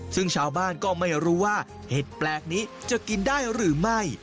ซึ่งชาวบ้านก็ไม่รู้ว่าเห็ดแปลกนี้จะกินได้หรือไม่